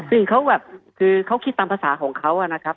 สิ่งเขาแบบคือเขาคิดตามภาษาของเขานะครับ